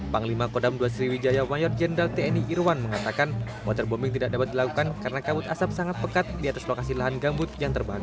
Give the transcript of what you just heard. panglima kodam dua sriwijaya mayor jenderal tni irwan mengatakan waterbombing tidak dapat dilakukan karena kabut asap sangat pekat di atas lokasi lahan gambut yang terbantu